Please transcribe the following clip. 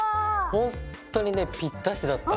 ほんとにねぴったしだった。